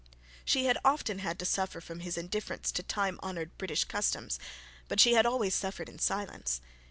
She had often had to suffer from his indifference to time honoured British customs; but she had always suffered in silence.